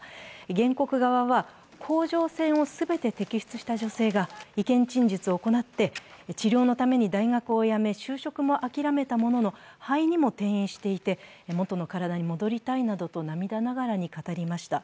原告側は甲状腺を全て摘出した女性が意見陳述を行って治療のため大学をやめ、就職もあきらめたものの、肺にも転移していて、元の体に戻りたいなどと涙ながらに語りました。